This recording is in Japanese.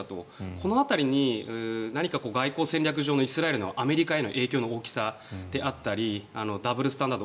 この辺りに何か外交戦略上のイスラエルのアメリカへの影響の大きさであったりダブルスタンダード